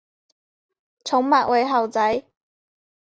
宠物为猴仔。